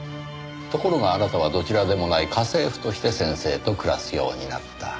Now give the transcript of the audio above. ところがあなたはどちらでもない家政婦として先生と暮らすようになった。